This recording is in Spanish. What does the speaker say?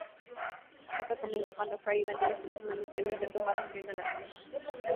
Todo comienza cuando Fry y Bender están permanentemente tumbados y viendo la tele.